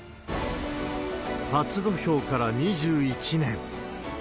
初土俵から２１年。